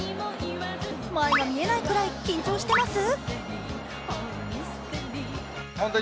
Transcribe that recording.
前が見えないくらい緊張してます？